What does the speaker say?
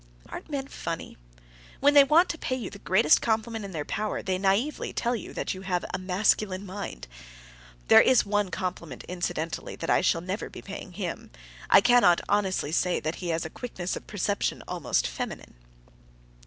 Aren't men funny? When they want to pay you the greatest compliment in their power, they naively tell you that you have a masculine mind. There is one compliment, incidentally, that I shall never be paying him. I cannot honestly say that he has a quickness of perception almost feminine.